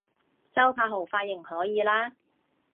周柏豪髮型可以喇